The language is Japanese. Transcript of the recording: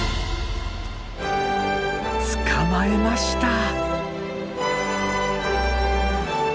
捕まえました！